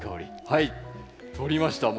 はい。